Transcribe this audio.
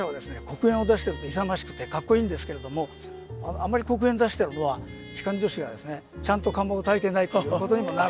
黒煙を出してると勇ましくてかっこいいんですけれどもあんまり黒煙出してるのは機関助士がですねちゃんと釜をたいてないということにもなるわけですね。